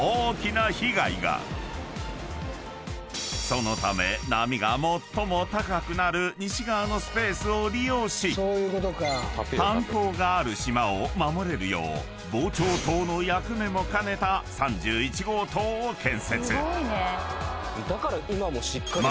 ［そのため波が最も高くなる西側のスペースを利用し炭鉱がある島を守れるよう防潮棟の役目も兼ねた３１号棟を建設］